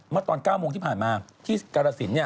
มาตอน๙โมงที่ผ่านมาที่กรสินเนี่ย